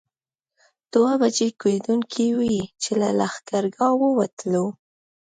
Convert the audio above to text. دوه بجې کېدونکې وې چې له لښکرګاه ووتلو.